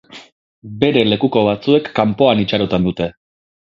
Bere lekuko batzuek kanpoan itxaroten dute.